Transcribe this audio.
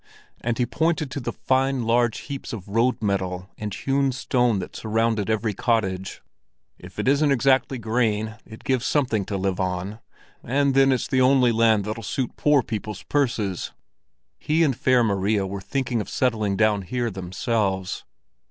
And he pointed to the fine large heaps of road metal and hewn stone that surrounded every cottage. "If it isn't exactly grain, it gives something to live on; and then it's the only land that'll suit poor people's purses." He and Fair Maria were thinking of settling down here themselves.